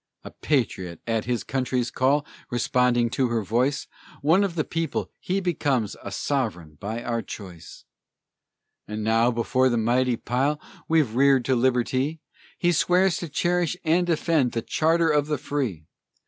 A patriot, at his country's call, Responding to her voice; One of the people, he becomes A sovereign by our choice! And now, before the mighty pile We've reared to Liberty, He swears to cherish and defend The charter of the free!